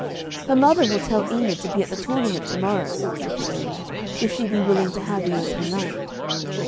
'Her mother will tell Enid to be at the tournament to morrow,' said the Earl, 'if she be willing to have you as her knight.'